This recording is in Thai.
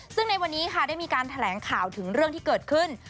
ซึ่งในวันนี้ค่ะได้มีการแถลงข่าวถึงเรื่องที่เกิดขึ้น